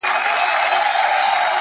چي د وجود؛ په هر يو رگ کي دي آباده کړمه؛